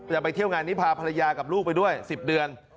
ไปเที่ยวงานนี้พาภรรยากับลูกไปด้วย๑๐เดือน